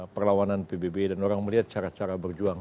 perlawanan pbb dan orang melihat cara cara berjuang